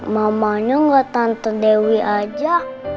mamanya nggak tante dewi aja